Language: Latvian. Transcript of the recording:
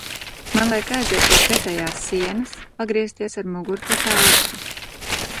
Man liek aiziet pie pretējās sienas, pagriezties ar muguru pret ārstu.